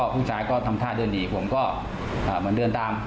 ผู้ชายก็ทำท่าเดินดีผมก็เหมือนเดินตาม